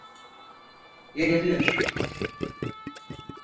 Yayılıyor…